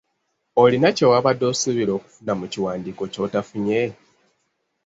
Olina kyewabadde osuubira okufuna mu kiwandiiko ky'otafunye?